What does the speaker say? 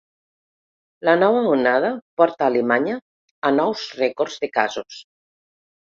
La nova onada porta Alemanya a nous rècords de casos.